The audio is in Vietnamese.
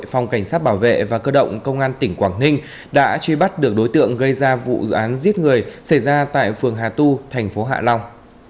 phòng cảnh sát bảo vệ và cơ động công an tỉnh quảng ninh đã truy bắt được đối tượng gây ra vụ án giết người xảy ra tại phường hà tu thành phố hạ long